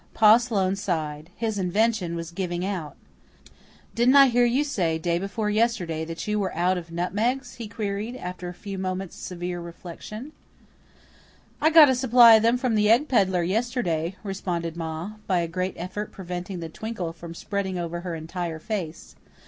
Pa Sloane sighed. His invention was giving out. "Didn't I hear you say day before yesterday that you were out of nutmegs?" he queried, after a few moments' severe reflection. "I got a supply of them from the egg pedlar yesterday," responded Ma, by a great effort preventing the twinkle from spreading over her entire face.